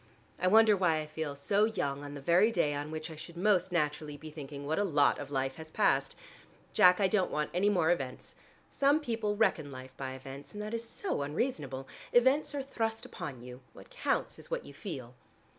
I wonder why I feel so young on the very day on which I should most naturally be thinking what a lot of life has passed. Jack, I don't want any more events. Some people reckon life by events, and that is so unreasonable. Events are thrust upon you; what counts is what you feel."